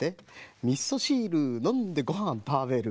「みそしるのんでごはんたべる」